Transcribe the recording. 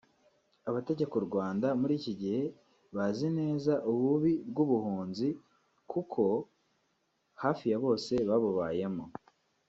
Abategeka u Rwanda muri iki gihe bazi neza ububi bw’ubuhunzi kuko hafi ya bose babubayemo